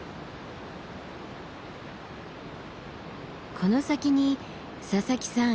この先に佐々木さん